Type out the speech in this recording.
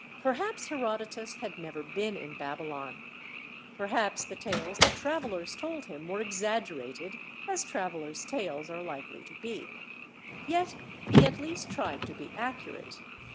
Perhaps Herodotus had never been in Babylon; perhaps the tales that travellers told him were exaggerated as travellers' tales are likely to be, yet he at least tried to be accurate.